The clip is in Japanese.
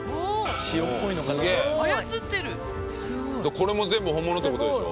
これも全部本物って事でしょ？